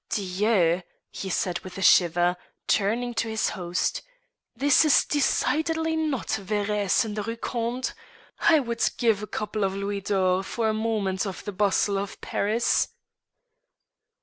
"Dieu!" said he with a shiver, turning to his host. "This is decidedly not Verrays in the Rue Conde. I would give a couple of louis d'or for a moment of the bustle of Paris.